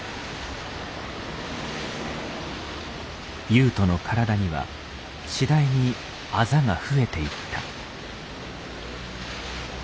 優斗の体には次第にアザが増えていった。